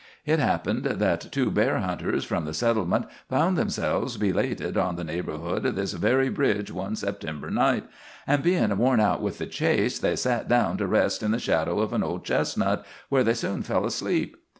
Hit happened that two bear hunters from the settlement found themselves belated in the neighborhood of this very bridge one September night, and, bein' worn out with the chase, they sat down to rest in the shadow of an old chestnut, where they soon fell asleep.